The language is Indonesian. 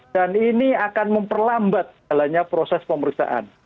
dan ini akan memperlambat segalanya proses pemeriksaan